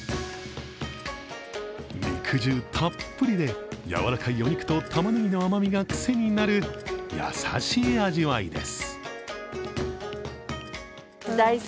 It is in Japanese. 肉汁たっぷりでやわらかいお肉とたまねぎの甘みがクセになる、優しい味わいです。